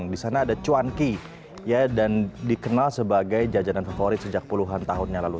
di sana ada cuanki ya dan dikenal sebagai jajanan favorit sejak puluhan tahunnya lalu